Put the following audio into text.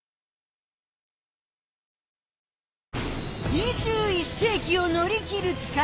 ２１世きを乗り切る力。